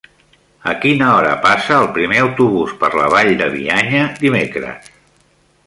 A quina hora passa el primer autobús per la Vall de Bianya dimecres?